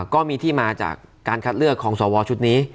ก็มีที่มาจากการคัดเลือกของสวชุดนี้